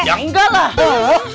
ya enggak lah